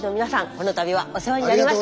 この度はお世話になりました。